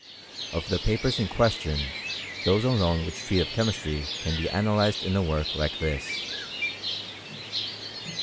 Of the papers in question, those alone which treat of Chemistry can be analyzed in a work like this.